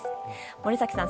森崎さん